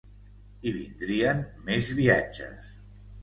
I vindrien més viatges.